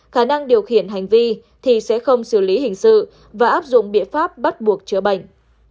khả năng điều khiển hành vi thì sẽ không xử lý hình sự và áp dụng biện pháp bắt buộc chữa bệnh